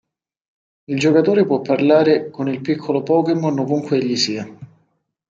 Il giocatore può parlare con il piccolo Pokémon ovunque egli sia.